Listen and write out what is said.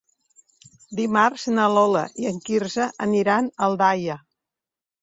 Dimarts na Lola i en Quirze aniran a Aldaia.